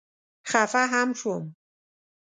خفه هم شوم.